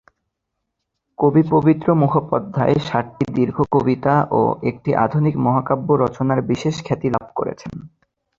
কবি পবিত্র মুখোপাধ্যায় সাতটি দীর্ঘ কবিতা ও একটি আধুনিক মহাকাব্য রচনার বিশেষ খ্যাতি লাভ করেছেন।